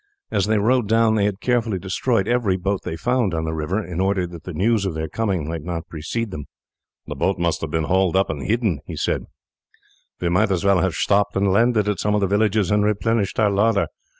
As they rowed down they had carefully destroyed every boat they found on the river, in order that the news of their coming might not precede them. "The boat must have been hauled up and hidden," he said; "we might as well have stopped and landed at some of the villages and replenished our larder.